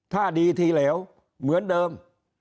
ถ้าดีทีเหลวเหมือนเดิม